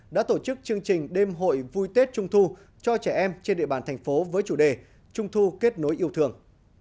đã tổ chức chương trình đêm hội vui tết trung thu cho trẻ em trên địa bàn thành phố với chủ đề trung thu kết nối yêu thương